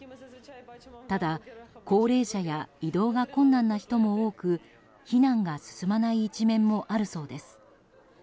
ただ、高齢者や移動が困難な人も多く避難が進まない一面もあるそうです。